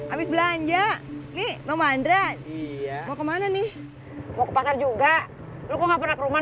abis belanja nih mau mandran iya kemana nih mau pasar juga lu nggak pernah ke rumah